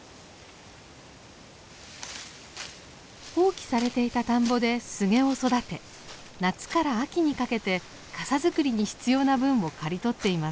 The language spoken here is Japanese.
放棄されていた田んぼでスゲを育て夏から秋にかけて笠作りに必要な分を刈り取っています。